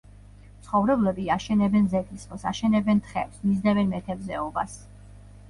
მცხოვრებლები აშენებენ ზეთისხილს, აშენებენ თხებს, მისდევენ მეთევზეობას.